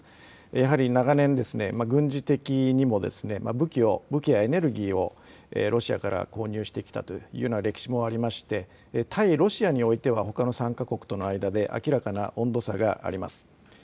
やはり長年、軍事的にも武器やエネルギーをロシアから購入してきたというような歴史もありまして、対ロシアにおいては、ほかの３か国との間で明らかな温度差があります。